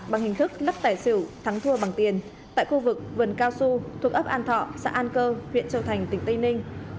bằng hình thức lấp tài xử thắng thua bằng tiền tại khu vực vườn cao xu thuộc ấp an thọ xã an cơ huyện châu thành tỉnh tây ninh